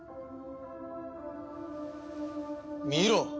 見ろ。